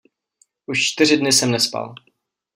Už čtyři dny jsem nespal.